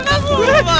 lupa lupa lupa